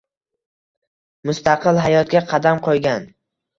Mustaqil hayotga qadam qo‘ygan.